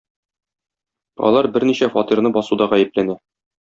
Алар берничә фатирны басуда гаепләнә.